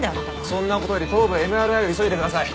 そんな事より頭部ＭＲＩを急いでください。